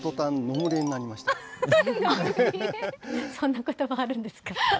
そんなこともあるんですか。